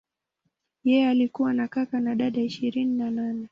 Yeye alikuwa na kaka na dada ishirini na nne.